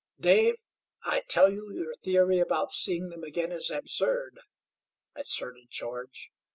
"Dave, I tell you your theory about seeing them again is absurd," asserted George.